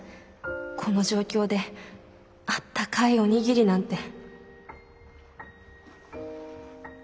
この状況であったかいおにぎりなんて。